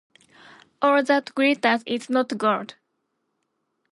“All that glitters is not gold.”